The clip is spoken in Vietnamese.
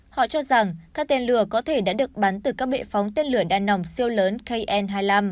họ cho rằng các tên lửa có thể đã được bắn từ các bệ phóng tên lửa đa nòng siêu lớn kn hai mươi năm